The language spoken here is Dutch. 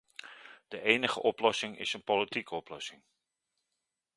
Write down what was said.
De enige oplossing is een politieke oplossing.